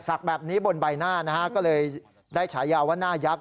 แบบนี้บนใบหน้านะฮะก็เลยได้ฉายาว่าหน้ายักษ